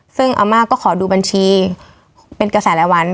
ซึ่งอาม่าก็ขอดูบัญชีเป็นกระแสรายวัน